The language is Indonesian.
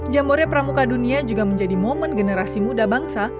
jambore pramuka dunia juga menjadi momen generasi muda bangsa